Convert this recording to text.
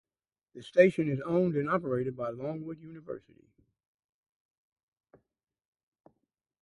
The station is owned and operated by Longwood University.